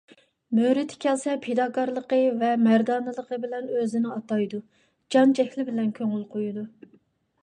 مۆرىتى كەلسە پىداكارلىقى ۋە مەردانىلىقى بىلەن ئۆزىنى ئاتايدۇ، جان - جەھلى بىلەن كۆڭۈل قويىدۇ.